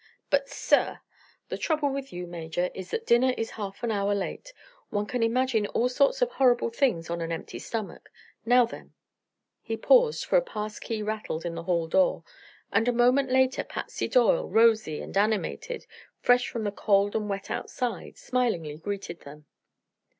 "But, sir " "The trouble with you, Major, is that dinner is half an hour late. One can imagine all sorts of horrible things on an empty stomach. Now, then " He paused, for a pass key rattled in the hall door and a moment later Patsy Doyle, rosy and animated, fresh from the cold and wet outside, smilingly greeted them.